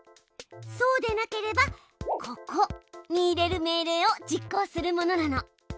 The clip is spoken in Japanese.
そうでなければここに入れる命令を実行するものなの。